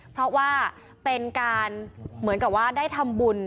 เพราะว่าเป็นการเหมือนกับว่าได้ทำบุญ